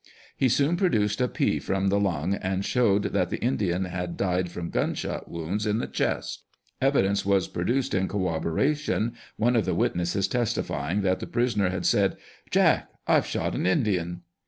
He soon pro duced a pea from the lung, and showed that the Indian had died from gunshot wounds in the chest. Evidence was produced in corrobo ration, one of the witnesses testifying that the prisoner had said, " Jack, I've shot an In dian."